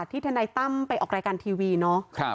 ทนายตั้มไปออกรายการทีวีเนาะ